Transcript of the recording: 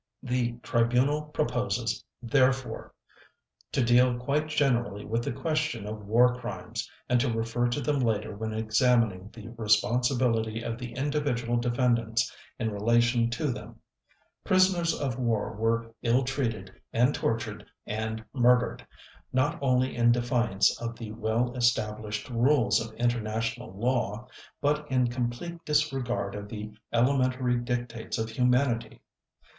The Tribunal proposes, therefore, to deal quite generally with the question of War Crimes, and to refer to them later when examining the responsibility of the individual defendants in relation to them. Prisoners of war were ill treated and tortured and murdered, not only in defiance of the well established rules of international law, but in complete disregard of the elementary dictates of humanity.